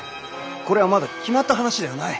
これはまだ決まった話ではない。